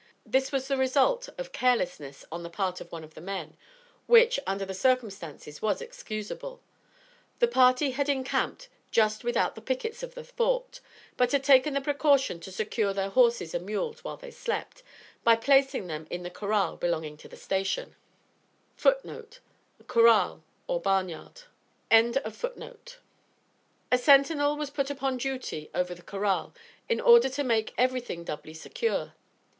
This was the result of carelessness on the part of one of the men, which, under the circumstances, was excusable. The party had encamped just without the pickets of the Fort, but had taken the precaution to secure their horses and mules while they slept, by placing them in the corral belonging to the station. A sentinel was put upon duty over the corral, in order to make everything doubly secure.